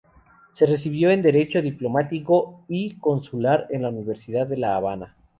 Se recibió en Derecho Diplomático y Consular en la Universidad de La Habana.